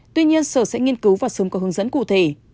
tuy nhiên sở sẽ nghiên cứu và sớm có hướng dẫn cụ thể